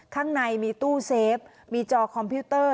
ข้างในมีตู้เซฟมีจอคอมพิวเตอร์